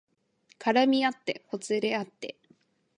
絡みあってほつれあって